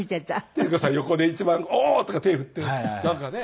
徹子さん横で一番「おおー！」とか手振ってなんかね。